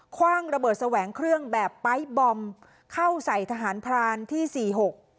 คว่างระเบิดแสวงเครื่องแบบไปร์ทบอมเข้าใส่ทหารพรานที่สี่หก